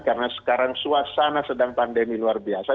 karena sekarang suasana sedang pandemi luar biasa